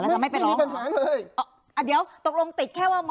ไม่เป็นไม่มีปัญหาเลยอ่ะเดี๋ยวตกลงติดแค่ว่าหมอ